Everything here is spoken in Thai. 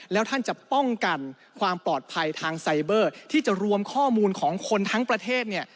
แล้วท่านจะป้องกันความปลอดภัยทางไซเบอร์ที่จะรวมข้อมูลของคนทั้งประเทศเนี่ย